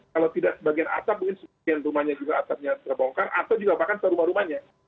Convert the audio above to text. kalau tidak sebagian atap mungkin sebagian rumahnya juga atapnya terbongkar atau juga bahkan terumah rumahnya